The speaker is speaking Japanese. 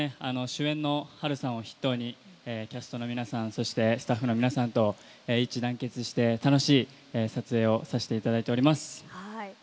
主演の波瑠さん筆頭にキャストの皆さんスタッフの皆さんと一致団結して楽しい撮影を見させていただきます。